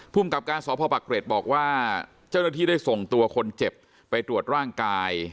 กับการสพปักเกร็ดบอกว่าเจ้าหน้าที่ได้ส่งตัวคนเจ็บไปตรวจร่างกาย